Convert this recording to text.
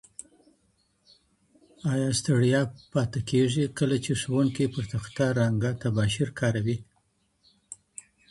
آیا ستړیا پاته کیږي کله چي ښوونکي پر تخته رنګه تباشیر کاروي؟